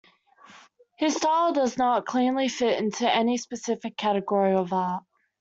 His style does not cleanly fit into any specific category of art.